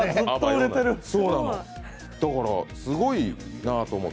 だから、すごいなと思って。